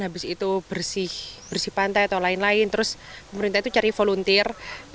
habis itu bersih bersih pantai atau lain lain terus pemerintah itu cari volunteer